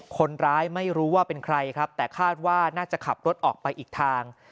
คนร้ายไม่รู้ว่าเป็นใครครับแต่คาดว่าน่าจะขับรถออกไปอีกทาง